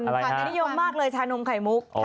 จะนิยมมากเลยชานมไข่มุก